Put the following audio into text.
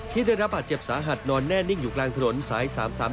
ได้รับบาดเจ็บสาหัสนอนแน่นิ่งอยู่กลางถนนสาย๓๓